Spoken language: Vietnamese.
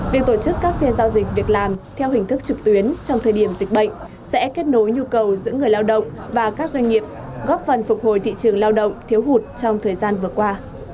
việc tổ chức các phiên giao dịch việc làm theo hình thức trực tuyến trong thời điểm dịch bệnh sẽ kết nối nhu cầu giữa người lao động và các doanh nghiệp góp phần phục hồi thị trường lao động thiếu hụt trong thời gian vừa qua